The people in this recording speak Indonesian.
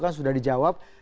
dan sudah dijawab